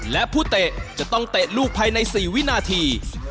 และผู้เตะจะต้องเตะลูกภายใน๔วินาที